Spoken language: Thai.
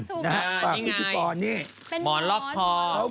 ถูกเออนี่ไงฝากพี่พี่ปอนนี่มอนล็อกทอมอนล็อกทอ